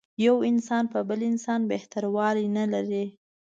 یو انسان په بل انسان بهتر والی نه لري.